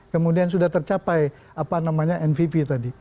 kemudian sudah tercapai apa namanya nvv tadi